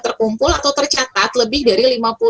terkumpul atau tercatat lebih dari